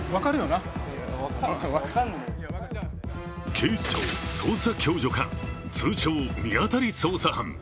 警視庁捜査共助課、通称、見当たり捜査班。